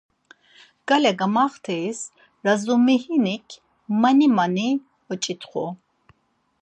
Gale gamaxt̆eysi Razumihinik mani mani uç̌itxu.